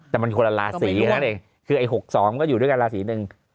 แต่มันควรละสีเท่านั้นเองคือ๖๒ก็อยู่ด้วยกันละสีนึง